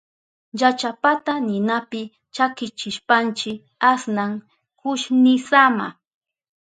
Llachapata ninapi chakichishpanchi asnan kushnisama.